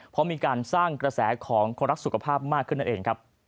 เพราะมีการสร้างกระแสของคนรักสุขภาพมากขึ้น